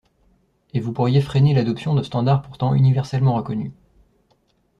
et vous pourriez freiner l'adoption de standards pourtant universellement reconnus.